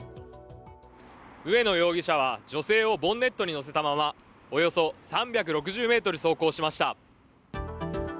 上野容疑者は女性をボンネットに乗せたままおよそ３６０ｍ走行しました。